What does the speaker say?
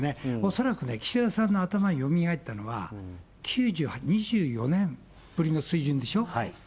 恐らくね、岸田さんの頭によみがえったのは、２４年ぶりの水準でしょ。